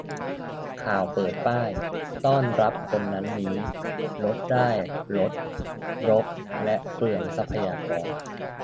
ข่าวเปิดป้าย ต้อนรับคนนั้นนี้ ลดได้ลด รกและเปลืองทรัพยากร